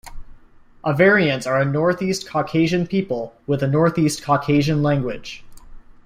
Avarians are a Northeast Caucasian people with a Northeast Caucasian language.